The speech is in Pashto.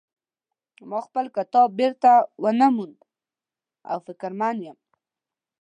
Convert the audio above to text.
ما خپل کتاب بیرته ونه مونده او فکرمن یم